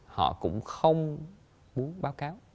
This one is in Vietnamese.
họ cũng không muốn báo cáo